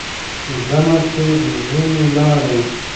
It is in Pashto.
ځمه چې وزې مې لاړې.